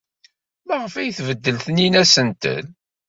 Maɣef ay tbeddel Taninna asentel?